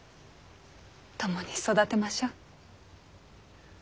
共に育てましょう。